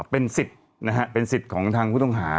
เป็นสิทธิ์นะฮะเป็นสิทธิ์ของทางผู้ต้องหา